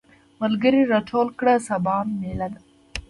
ملګري راټول کړه سبا ميله ده.